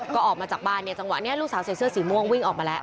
ก็ออกมาจากบ้านเนี่ยจังหวะนี้ลูกสาวใส่เสื้อสีม่วงวิ่งออกมาแล้ว